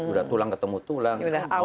udah tulang ketemu tulang